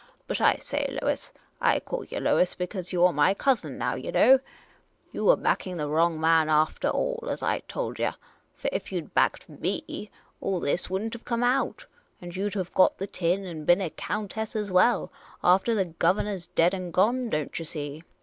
But I say, Lois — I call yah Lois because you 're my cousin now, yah know — you were backing the HAROLD, YOUR WIKE HAS I^F.STED ME!" wrong man aftah all, as I told yah. For if you 'd backed me, all this would n't have come out ; you 'd have got the tin and been a countess as well, aftah the governah 's dead and gone, don't yah see.